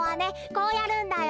こうやるんだよ。